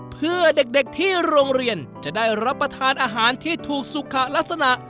เพื่อเด็กที่โรงเรียนจะได้รับประทานอาหารที่ถูกสุขลักษณะ